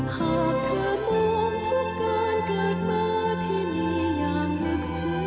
หากเธอมวงทุกข์การเกิดมาที่มีอย่างลึกซึ้ง